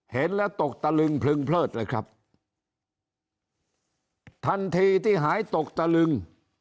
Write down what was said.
เห็นแล้วตกตะลึงพลึงเพลิศเลยครับทันทีที่หายตกตะลึง